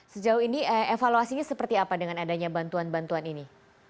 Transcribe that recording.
sejauh ini evaluasinya seperti apa dengan adanya bantuan bantuan ini